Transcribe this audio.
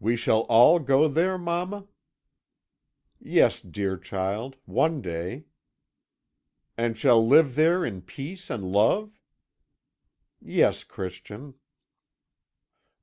"'We shall all go there, mamma?' "'Yes, dear child one day.' "'And shall live there in peace and love?' "'Yes, Christian.'